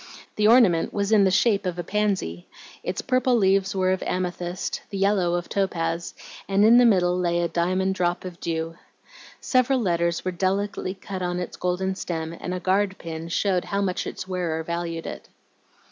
The ornament was in the shape of a pansy; its purple leaves were of amethyst, the yellow of topaz, and in the middle lay a diamond drop of dew. Several letters were delicately cut on its golden stem, and a guard pin showed how much its wearer valued it.